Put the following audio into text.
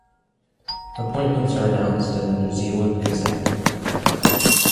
Appointments are announced in the New Zealand Gazette.